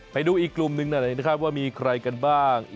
ไปดูอีกกลุ่มหนึ่งหน่อยนะครับว่ามีใครกันบ้าง